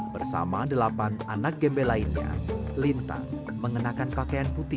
bersama delapan anak gembel lainnya lintang mengenakan pakaian putih